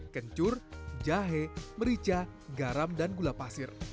kencur jahe merica garam dan gula pasir